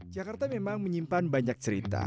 jakarta memang menyimpan banyak cerita